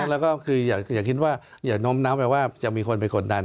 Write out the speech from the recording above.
ใช่แล้วก็คืออยากน้ำน้ำว่าจะมีคนไปกดดัน